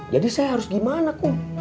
jadi saya harus gimana kum